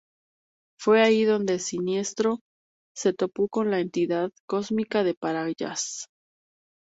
Fue ahí donde Sinestro se topó con la entidad cósmica de Parallax.